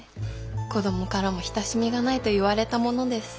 子どもからも親しみがないと言われたものです。